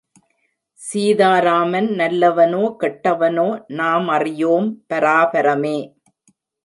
சீதாராமன் நல்லவனோ, கெட்டவனோ, நாம் அறியோம், பராபரமே!